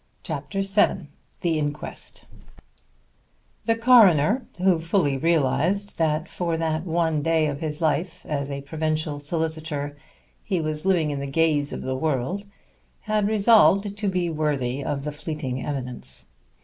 CHAPTER VII THE INQUEST The coroner, who fully realized that for that one day of his life as a provincial solicitor he was living in the gaze of the world, had resolved to be worthy of the fleeting eminence.